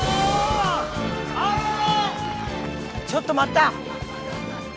ちょっと待った！